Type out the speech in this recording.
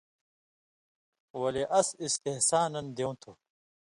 ولے اَس استحساناً دیوں تُھو۔